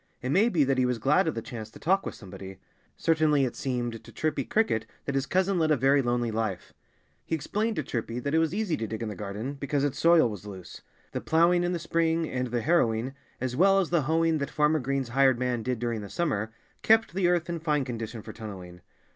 It may be that he was glad of the chance to talk with somebody. Certainly it seemed to Chirpy Cricket that his cousin led a very lonely life. He explained to Chirpy that it was easy to dig in the garden, because its soil was loose. The ploughing in the spring, and the harrowing, as well as the hoeing that Farmer Green's hired man did during the summer, kept the earth in fine condition for tunnelling.